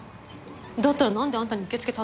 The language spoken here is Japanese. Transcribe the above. だったらなんであんたに受付頼んだのよ？